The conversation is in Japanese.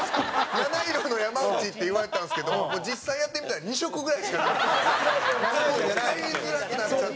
「七色の山内」って言われてたんですけど実際やってみたら２色ぐらいしかなくて。